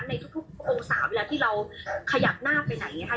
ในทุกองศาเวลาที่เราขยับหน้าไปไหนค่ะ